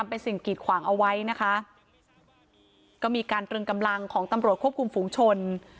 เป็นสิ่งกีดขวางเอาไว้นะคะก็มีการตรึงกำลังของตำรวจควบคุมฝูงชน